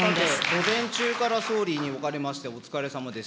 午前中から総理におかれましてはお疲れさまです。